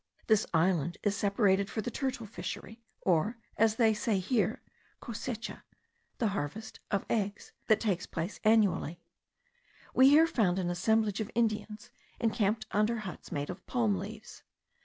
This island is celebrated for the turtle fishery, or, as they say here, the cosecha, the harvest [of eggs,] that takes place annually. We here found an assemblage of Indians, encamped under huts made of palm leaves.